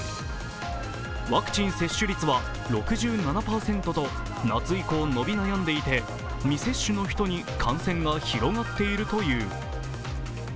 ワクチン接種率は６７％と夏以降、伸び悩んでいて未接種の人に感染が広がっているという。